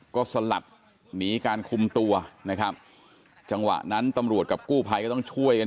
ก็สลัดหนีการคุมตัวนะครับจังหวะนั้นตำรวจกับกู้ภัยก็ต้องช่วยกัน